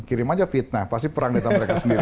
kirim aja fitnah pasti perang data mereka sendiri